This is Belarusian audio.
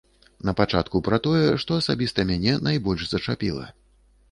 Напачатку пра тое, што асабіста мяне найбольш зачапіла.